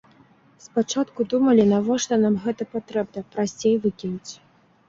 Спачатку думалі, навошта нам гэта патрэбна, прасцей выкінуць.